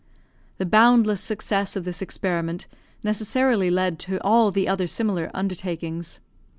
The boundless success of this experiment necessarily led to all the other similar undertakings.